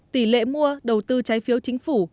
tỷ lệ mua đầu tư trái phiếu chính phủ